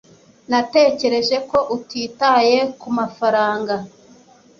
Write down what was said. natekereje ko utitaye kumafaranga